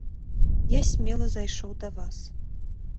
Я смела зайшоў да вас.